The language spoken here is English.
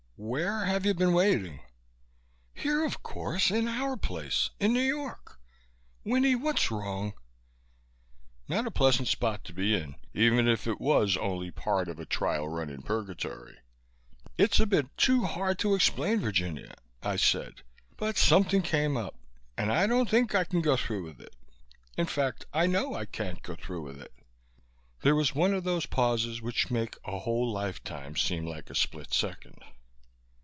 "Where have you been waiting?" "Here of course. In our place. In New York. Winnie, what's wrong?" Not a pleasant spot to be in, even if it was only part of a trial run in purgatory. "It's a bit too hard to explain, Virginia," I said, "but something came up and I don't think I can go through with it. In fact, I know I can't go through with it." There was one of those pauses which make a whole life time seem like a split second.